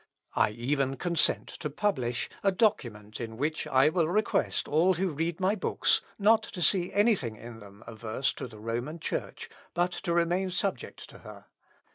I even consent to publish a document in which I will request all who read my books not to see any thing in them adverse to the Roman Church, but to remain subject to her.